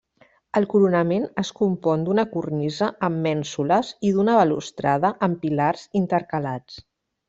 El coronament es compon d'una cornisa amb mènsules i d'una balustrada amb pilars intercalats.